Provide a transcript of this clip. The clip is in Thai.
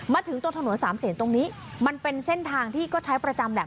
มาถึงตัวถนนสามเศษตรงนี้มันเป็นเส้นทางที่ก็ใช้ประจำแหละ